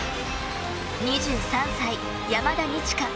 ２３歳、山田二千華。